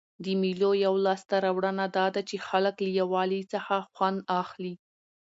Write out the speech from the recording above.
د مېلو یوه لاسته راوړنه دا ده، چي خلک له یووالي څخه خوند اخلي.